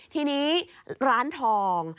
ทีนี้ร้านทอง